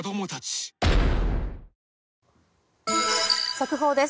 速報です。